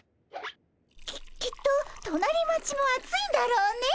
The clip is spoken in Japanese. ききっと隣町も暑いだろうね。